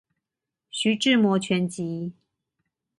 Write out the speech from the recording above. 徐志摩全集